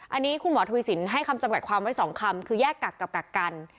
อันนี้คุณหมอทวีสินให้คำจำกัดความไว้๒คำคือแยกกักกับกักกัน